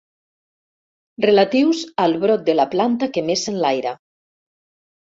Relatius al brot de la planta que més s'enlaira.